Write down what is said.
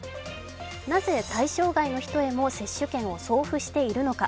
なぜ対象外の人へも接種券を送付しているのか。